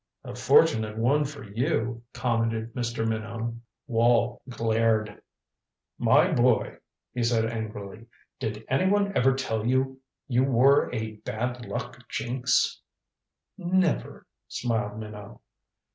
"A fortunate one for you," commented Mr. Minot. Wall glared. "My boy," he said angrily, "did any one ever tell you you were a bad luck jinx?" "Never," smiled Minot.